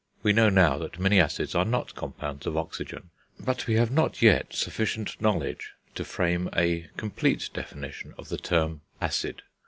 We know now that many acids are not compounds of oxygen, but we have not yet sufficient knowledge to frame a complete definition of the term acid.